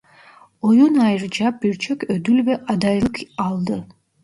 Oyun ayrıca birçok ödül ve adaylık aldı.